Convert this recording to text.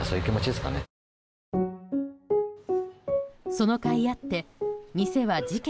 その甲斐あって店は事件